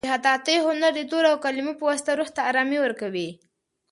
د خطاطۍ هنر د تورو او کلیمو په واسطه روح ته ارامي ورکوي.